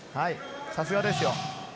さすがですよ。